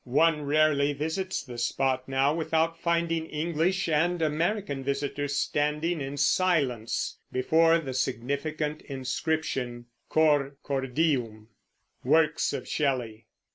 One rarely visits the spot now without finding English and American visitors standing in silence before the significant inscription, Cor Cordium. WORKS OF SHELLEY.